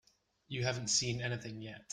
You haven't seen anything yet.